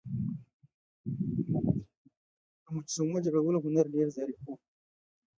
د مجسمو جوړولو هنر ډیر ظریف و